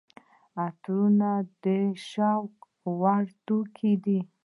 عطرونه د شوق وړ توکي دي.